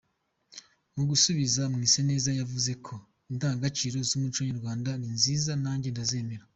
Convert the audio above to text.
Mu gusubiza Mwiseneza yavuzo ko “Indangagaciro z’umuco nyarwanda ni nziza nanjye ndazemera.